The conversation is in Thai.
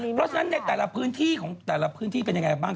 เพราะฉะนั้นในแต่ละพื้นที่ของแต่ละพื้นที่เป็นยังไงบ้าง